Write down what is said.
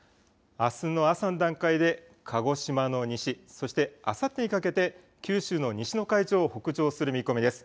あすの朝の段階で鹿児島の西、そしてあさってにかけて九州の西の海上を北上する見込みです。